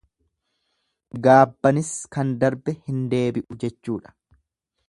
Gaabbanis kan darbe hin deebi'u jechuudha.